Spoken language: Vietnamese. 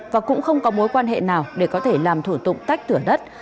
và cũng không có mối quan hệ nào để có thể làm thủ tục tách thửa đất